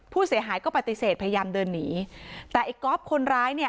ผู้เสียหายก็ปฏิเสธพยายามเดินหนีแต่ไอ้ก๊อฟคนร้ายเนี่ย